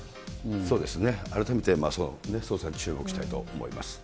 そうですね、改めて捜査に注目したいと思います。